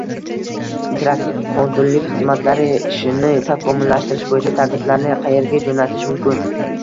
Interaktiv konsullik xizmatlari ishini takomillashtirish bo‘yicha takliflarni qayerga jo‘natish mumkin?